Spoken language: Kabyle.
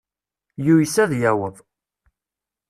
Yuyes ad yaweḍ.